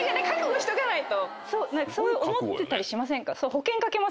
そう思ってたりしませんか？